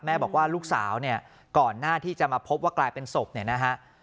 บอกว่าลูกสาวเนี่ยก่อนหน้าที่จะมาพบว่ากลายเป็นศพเนี่ยนะฮะ